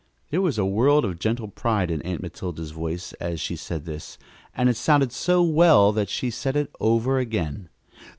There was a world of gentle pride in Aunt Matilda's voice as she said this, and it sounded so well that she said it over again.